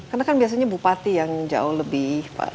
karena kan biasanya bupati yang jauh lebih